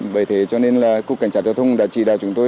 bởi thế cho nên là cục cảnh sát giao thông đã chỉ đạo chúng tôi